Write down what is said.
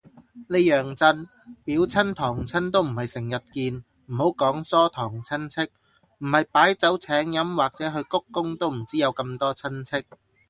呢樣真，表親堂親都唔係成日見，唔好講疏堂親戚，唔係擺酒請飲或者去鞠躬都唔知有咁多親戚